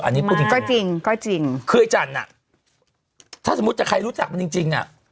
อันนี้พูดจริงก็จริงก็จริงคือไอ้จันทร์อ่ะถ้าสมมุติแต่ใครรู้จักมันจริงจริงอ่ะ